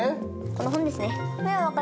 この本ですね。